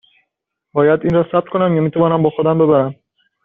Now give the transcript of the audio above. باید این را ثبت کنم یا می توانم با خودم ببرم؟